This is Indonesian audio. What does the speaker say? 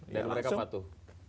dan mereka patuh